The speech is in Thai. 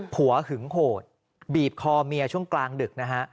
หึงโหดบีบคอเมียช่วงกลางดึกนะฮะ